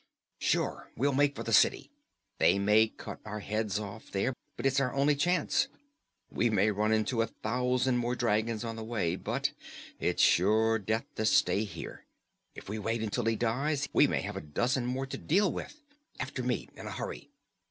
"Sure! We'll make for the city! They may cut our heads off there, but it's our only chance. We may run into a thousand more dragons on the way, but it's sure death to stay here. If we wait until he dies, we may have a dozen more to deal with. After me, in a hurry!"